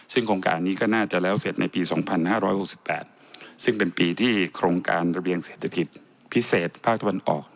ซึ่งโครงการนี้ก็น่าจะแล้วเสร็จในปี๒๕๖๘ซึ่งเป็นปีที่โครงการระเบียงเศรษฐกิจพิเศษภาคตะวันออก